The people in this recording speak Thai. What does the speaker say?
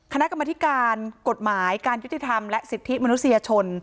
คณะกรรมธิการกฎหมายการยุติธรรมและสิทธิมนุษยชน